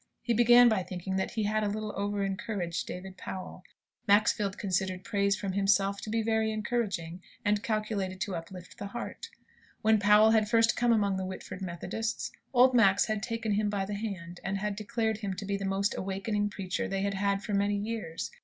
He began by thinking that he had a little over encouraged David Powell. Maxfield considered praise from himself to be very encouraging, and calculated to uplift the heart. When Powell had first come among the Whitford Methodists, old Max had taken him by the hand, and had declared him to be the most awakening preacher they had had for many years.